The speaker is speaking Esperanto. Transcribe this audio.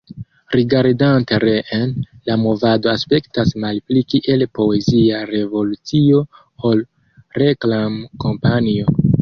Rigardante reen, la movado aspektas malpli kiel poezia revolucio ol reklam-kampanjo.